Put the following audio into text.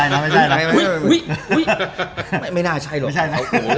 โอ้ยยยยยไม่น่าใช่เลย